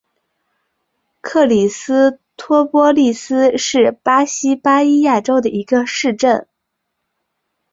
克里斯托波利斯是巴西巴伊亚州的一个市镇。